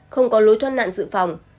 không có lối thoát nạn dự phòng